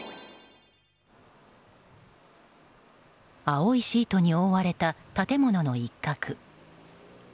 青いシートに覆われた建物の一角。